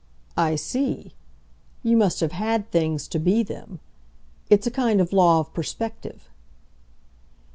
"I see. You must have had things to be them. It's a kind of law of perspective."